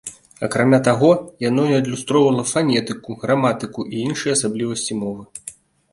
Акрамя таго, яно не адлюстроўвала фанетыку, граматыку і іншыя асаблівасці мовы.